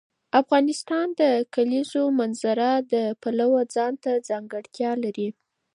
افغانستان د د کلیزو منظره د پلوه ځانته ځانګړتیا لري.